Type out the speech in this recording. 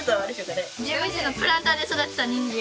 自分ちのプランターで育てたニンジン。